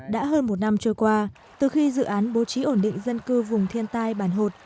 đã hơn một năm trôi qua từ khi dự án bố trí ổn định dân cư vùng thiên tai bản hột